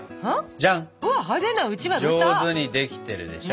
上手にできてるでしょ。